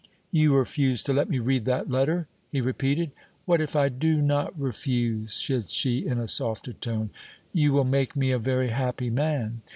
"You refuse to let me read that letter?" he repeated. "What if I do not refuse?" said she, in a softer tone. "You will make me a very happy man!"